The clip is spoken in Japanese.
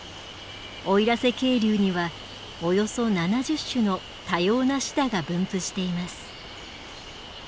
奥入瀬渓流にはおよそ７０種の多様なシダが分布しています。